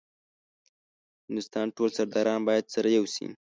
هندوستان ټول سرداران باید سره یو شي.